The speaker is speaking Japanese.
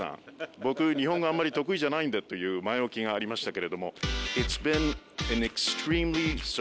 僕、日本語あまり得意じゃないんですという前置きがありましたが。